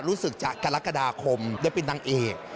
รู้สึกจะกรกฎาคมได้เป็นนางเอก